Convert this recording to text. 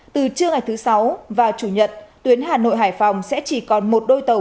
từ trưa ngày thứ sáu và chủ nhật tuyến hà nội hải phòng sẽ chỉ còn một đôi tàu